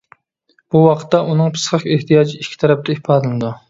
بۇ ۋاقىتتا ئۇنىڭ پىسخىك ئېھتىياجى ئىككى تەرەپتە ئىپادىلىنىدۇ.